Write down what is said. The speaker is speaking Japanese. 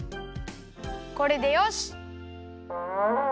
これでよし！